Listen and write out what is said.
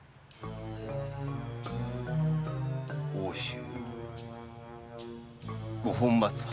奥州五本松藩！